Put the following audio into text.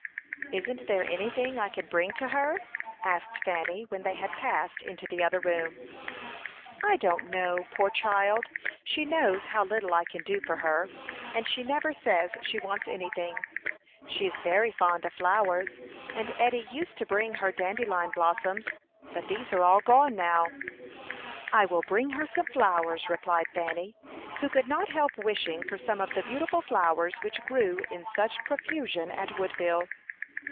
"Isn't there anything I can bring to her?" asked Fanny, when they had passed into the other room. "I don't know. Poor child! she knows how little I can do for her, and she never says she wants anything. She is very fond of flowers, and Eddy used to bring her dandelion blossoms, but these are all gone now." "I will bring her some flowers," replied Fanny, who could not help wishing for some of the beautiful flowers which grew in such profusion at Woodville.